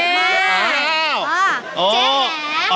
เจ๊แหญะ